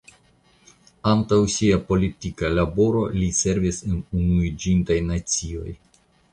Antaŭ sia politika laboro li servis al Unuiĝintaj Nacioj.